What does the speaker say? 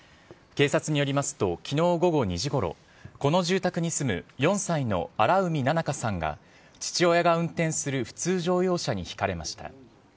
警察によりますと、きのう午後２時ごろ、この住宅に住む４歳の荒海菜々香さんが、父親が運転する普通乗用車にひかれました。